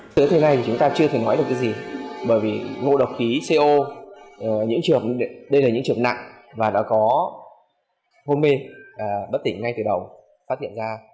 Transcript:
từ thế này chúng ta chưa thể nói được cái gì bởi vì ngộ độc khí co đây là những trường nặng và đã có hôn mê bất tỉnh ngay từ đầu phát hiện ra